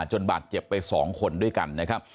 บาดเจ็บไป๒คนด้วยกันนะครับ